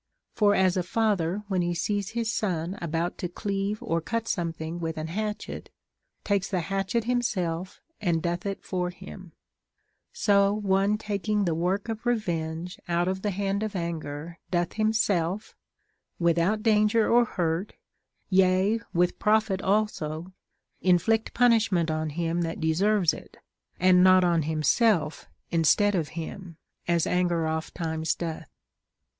For as a father, when he sees his son about to cleave or cut something witli an hatchet, takes the hatchet himself and doth it for him ; so one taking the work of revenge out of the hand of anger doth himself, without danger or hurt, yea, with profit also, inflict punishment on him that deserves it, and not on him self instead of him, as anger oft times doth.